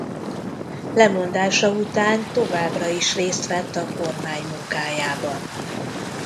Lemondása után továbbra is részt vett a kormány munkájában.